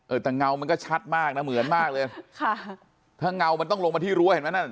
เตามันก็ชัดมากนะเหมือนมากเลยค่ะถ้าเงามันต้องลงมาที่รั้วเห็นไหมนั่น